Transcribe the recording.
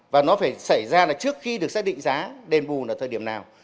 và nó phải xảy ra trước khi được xác định giá đền bù là thời điểm nào